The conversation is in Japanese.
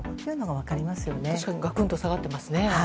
確かにがくんと下がってますね。